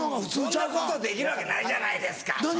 そんなことできるわけないじゃないですか。